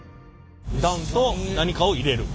ダウンと何かを入れる。